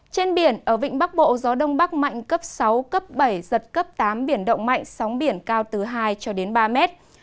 trên biển ở vịnh bắc bộ gió đông bắc mạnh cấp sáu cấp bảy giật cấp tám biển động mạnh sóng biển cao từ hai cho đến ba mét